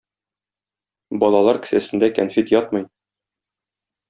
Балалар кесәсендә кәнфит ятмый.